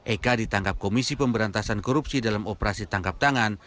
eka ditangkap komisi pemberantasan korupsi dalam operasi tangkap tangan